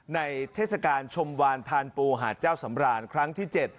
เทศกาลชมวานทานปูหาดเจ้าสำราญครั้งที่๗